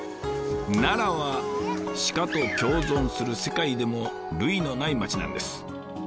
奈良は鹿と共存する世界でも類のない町なんです。